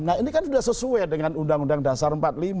nah ini kan sudah sesuai dengan undang undang dasar empat puluh lima